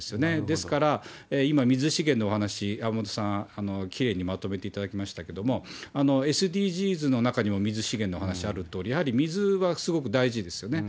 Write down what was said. ですから、今、水資源のお話、山本さん、きれいにまとめていただきましたけれども、ＳＤＧｓの中にも水資源のお話あるとおり、やはり水はすごく大事ですよね。